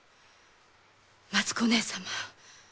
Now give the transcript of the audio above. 松子姉様。